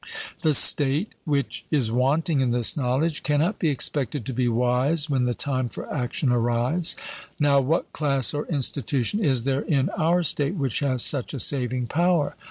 The state which is wanting in this knowledge cannot be expected to be wise when the time for action arrives. Now what class or institution is there in our state which has such a saving power?